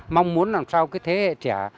mong muốn làm sao cái thế hệ trẻ